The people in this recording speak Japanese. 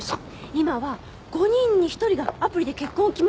今は５人に１人がアプリで結婚を決める時代ですよ。